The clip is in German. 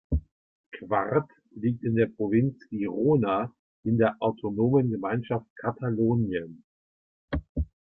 Quart liegt in der Provinz Girona in der Autonomen Gemeinschaft Katalonien.